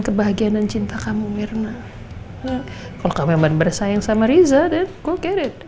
kebahagiaan dan cinta kamu mirna kalau kamu yang benar benar sayang sama riza then go get it